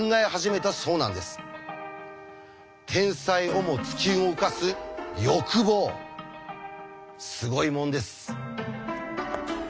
天才をも突き動かす欲望すごいもんです。